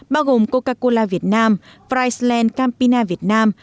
bao gồm coca cola việt nam fricland campina việt nam